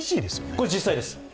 これ、実際です。